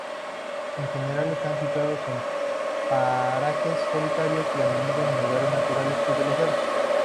En general están situados en parajes solitarios y a menudo en lugares naturales privilegiados.